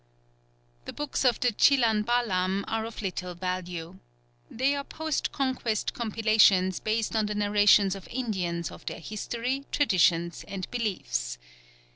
The "Books of the Chilan Balam" are of little value. They are post Conquest compilations based on the narrations of Indians of their history, traditions, and beliefs.